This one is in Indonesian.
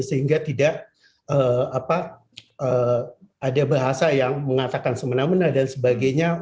sehingga tidak ada bahasa yang mengatakan semena mena dan sebagainya